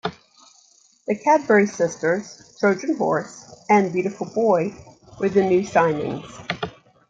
The Cadbury Sisters, Trojanhorse, and Beautiful Boy were the new signings.